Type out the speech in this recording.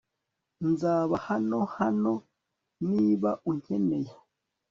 Nzaba hano hano niba unkeneye